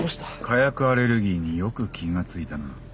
火薬アレルギーによく気が付いたな。